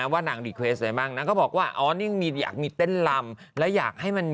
มันเลยบ้างนางก็บอกว่าอ๋อนี่เรียกมีเต้นรำและอยากให้มัน